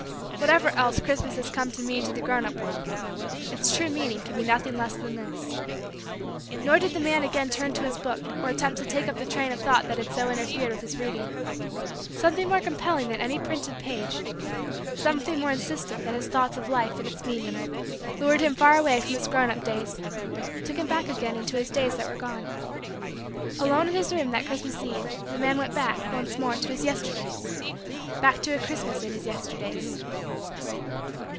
Whatever else Christmas has come to mean to the grown up world, its true meaning can be nothing less than this. Nor did the man again turn to his book or attempt to take up the train of thought that had so interfered with his reading. Something more compelling than any printed page something more insistant than his own thoughts of Life and its meaning lured him far away from his grown up days took him back again into his days that were gone. Alone in his room that Christmas eve, the man went back, once more, to his Yesterdays back to a Christmas in his Yesterdays.